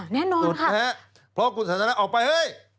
แน่นอนสุดนะฮะเพราะคุณสันทนาออกไปเฮ้ย